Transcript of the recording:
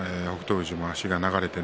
富士は足が流れて